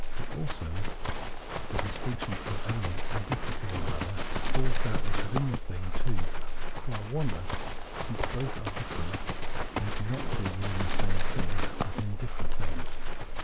The " also," the distinction of elements indifferent to one another, falls doubtless within the thing, too, qua oneness, but since both are different, they do not fall within the same thing, but in different things.